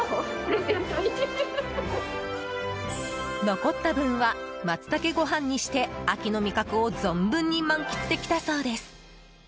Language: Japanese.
残った分はマツタケご飯にして秋の味覚を存分に満喫できたそうです。